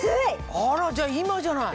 あらじゃあ今じゃない！